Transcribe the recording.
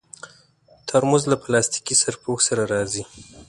ترموز له پلاستيکي سرپوښ سره راځي.